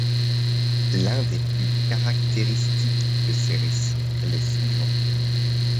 L’un des plus caractéristiques de ces récits est le suivant.